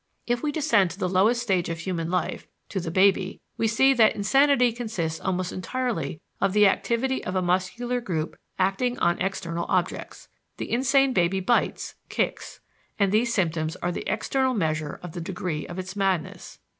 If we descend to the lowest stage of human life to the baby we see that insanity consists almost entirely of the activity of a muscular group acting on external objects. The insane baby bites, kicks, and these symptoms are the external measure of the degree of its madness.